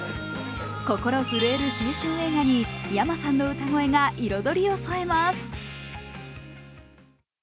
心震える青春映画にｙａｍａさんの歌声が彩りを添えます。